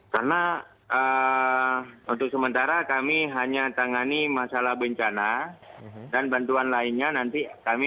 karena untuk sementara kami hanya tangani masalah bencana dan bantuan lainnya nanti kami